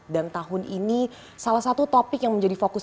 dan tahun ini salah satu topik yang menjadi fokus